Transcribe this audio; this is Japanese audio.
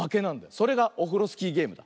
それがオフロスキーゲームだ。